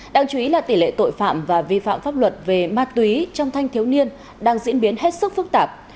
đáng chú ý là tỷ lệ tội phạm và vi phạm pháp luật về ma túy trong thanh thiếu niên đang diễn biến hết sức phức tạp